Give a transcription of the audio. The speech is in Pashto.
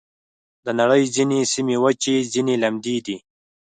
د نړۍ ځینې سیمې وچې، ځینې لمدې دي.